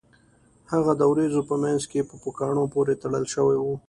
هغه د ورېځو په مینځ کې په پوکاڼو پورې تړل شوی و